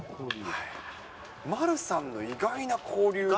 丸さんの意外な交流って。